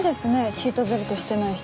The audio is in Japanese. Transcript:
シートベルトしてない人。